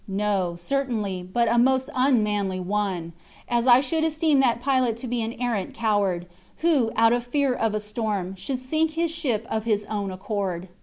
No, certainly, but a most unmanly one; as I should esteem that pilot to be an arrant coward, who, out of fear of a storm, should sink his ship of his own accord.